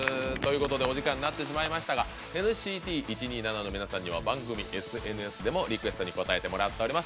お時間になってしまいましたがＮＣＴ１２７の皆さんには番組ＳＮＳでもリクエストに応えてもらっております。